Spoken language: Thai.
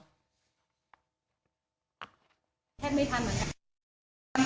แทบไม่ทันเหมือนกัน